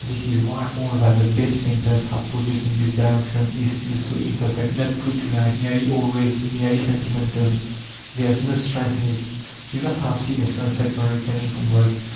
This is why all that the best painters have produced in this direction is still so imperfect, not true to life, nearly always merely sentimental. There is no strength in it. You must have seen a sunset when returning from work.